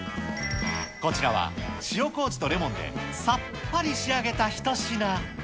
こちらは塩こうじとレモンでさっぱり仕上げた一品。